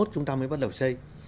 chúng ta mới bắt đầu xây